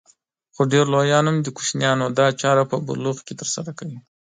خو ډېر لويان هم د کوچنيانو دا چاره په بلوغ کې ترسره کوي.